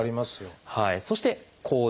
そして「行動」。